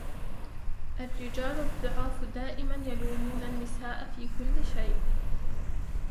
الرجال الضعاف دائماً يلومون النساء في كل شيء.